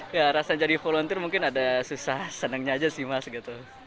ya rasa jadi volunteer mungkin ada susah senangnya aja sih mas gitu